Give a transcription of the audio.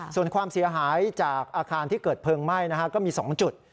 ส่วนความเสียหายจากอาคารที่เกิดเพลิงไหม้ก็มี๒จุด